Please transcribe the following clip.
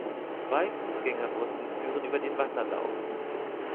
Zwei Fußgängerbrücken führen über den Wasserlauf.